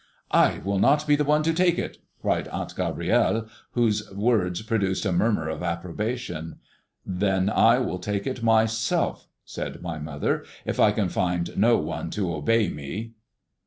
"I will not be the one to take it," cried Aunt Gabrielle, whose words produced a murmur of approbation. "Then I will take it myself," said my mother, "if I can find no one to obey me."